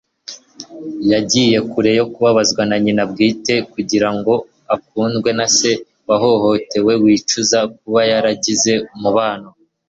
Yagiye kure yo kubabazwa na nyina bwite kugira ngo akundwe na se wahohotewe wicuza kuba yarigeze amubona.